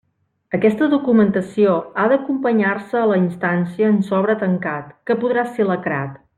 Aquesta documentació ha d'acompanyar-se a la instància en sobre tancat, que podrà ser lacrat.